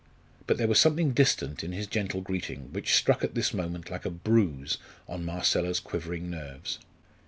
But there was something distant in his gentle greeting which struck at this moment like a bruise on Marcella's quivering nerves.